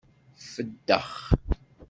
Feddex.